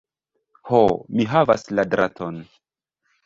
Ho, mi havas la draton!